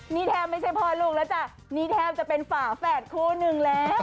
นี่แทบไม่ใช่พ่อลูกแล้วจ้ะนี่แทบจะเป็นฝาแฝดคู่หนึ่งแล้ว